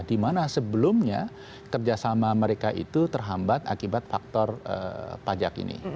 dimana sebelumnya kerjasama mereka itu terhambat akibat faktor pajak ini